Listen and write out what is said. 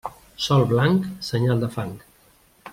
Sol blanc, senyal de fang.